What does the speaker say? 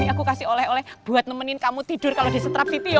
ini aku kasih oleh oleh buat nemenin kamu tidur kalau disetrap siti yo